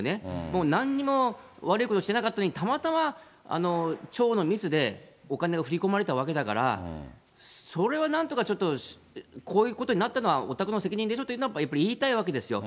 もうなんにも悪いことしてなかったのに、たまたま町のミスで、お金が振り込まれたわけだから、それはなんとかちょっと、こういうことになったのは、おたくの責任でしょというのは言いたいわけですよ。